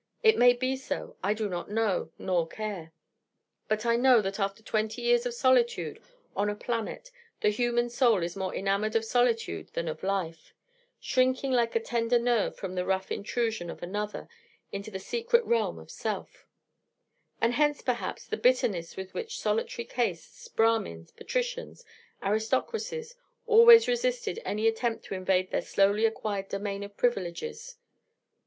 It may be so: I do not know, nor care. But I know that after twenty years of solitude on a planet the human soul is more enamoured of solitude than of life, shrinking like a tender nerve from the rough intrusion of Another into the secret realm of Self: and hence, perhaps, the bitterness with which solitary castes, Brahmins, patricians, aristocracies, always resisted any attempt to invade their slowly acquired domain of privileges.